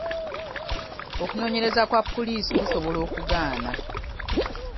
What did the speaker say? Okunoonyereza kwa puliisi kusobola okugaana.